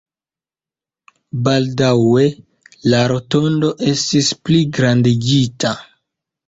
Baldaŭe la rotondo estis pligrandigita.